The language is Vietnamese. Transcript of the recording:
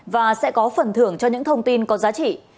và sẽ có phần thưởng cho những thông tin có giá trị